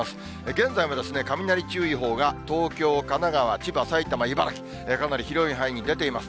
現在も雷注意報が東京、神奈川、千葉、埼玉、茨城、かなり広い範囲に出ています。